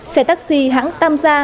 xe taxi hãng tam gia